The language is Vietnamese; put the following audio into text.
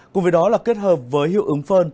cùng với đó là kết hợp với hiệu ứng phơn